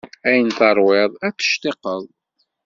Ayen teṛwiḍ, ad t-tectiqeḍ.